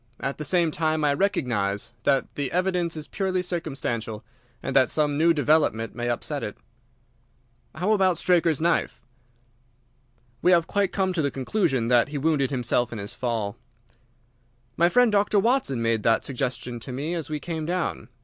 At the same time I recognise that the evidence is purely circumstantial, and that some new development may upset it." "How about Straker's knife?" "We have quite come to the conclusion that he wounded himself in his fall." "My friend Dr. Watson made that suggestion to me as we came down.